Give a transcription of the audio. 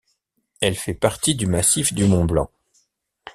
Elle fait partie du massif du Mont-Blanc.